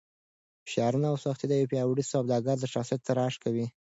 فشارونه او سختۍ د یو پیاوړي سوداګر د شخصیت تراش کوي.